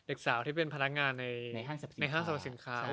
เด็กสาวที่เป็นพนักงานในห้างสรรพสินค้า